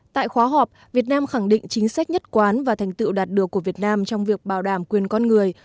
tại khóa họp việt nam khẳng định chính sách nhất quán và thành tựu đạt được của việt nam trong việc bảo đảm quyền con người